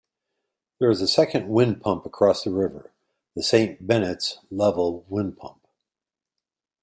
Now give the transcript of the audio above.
There is a second windpump across the river, the Saint Benet's Level windpump.